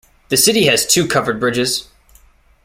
The city has two covered bridges.